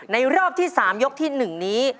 รอบที่๓ยกที่๑นี้